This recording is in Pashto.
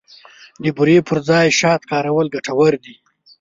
د بوري پر ځای شات کارول ګټور دي.